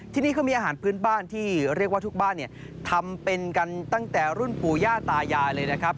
ที่นี่เขามีอาหารพื้นบ้านที่เรียกว่าทุกบ้านเนี่ยทำเป็นกันตั้งแต่รุ่นปู่ย่าตายายเลยนะครับ